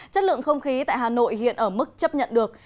chất lượng không khí tại hà nội hiện ở mức chấp nhận được